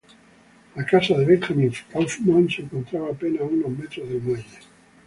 La casa de Benjamin Kauffman se encontraba apenas a unos metros del muelle.